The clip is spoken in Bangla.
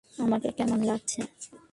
আমাকে কেমন লাগছে?